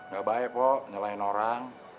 ga baik nyalahin orang